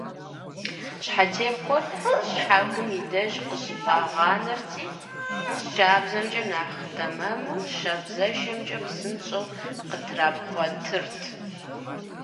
Щхьэтепхъуэр щхьэкум и деж къыщыфӀагъанэрти, шабзэмкӀэ, нэхъ тэмэму, шабзэшэмкӀэ псынщӀэу къытрапхъуэтырт.